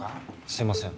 すみません。